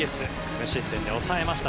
無失点で抑えました。